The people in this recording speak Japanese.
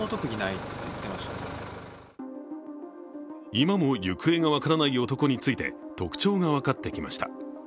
今も行方が分からない男について特徴が分かってきました。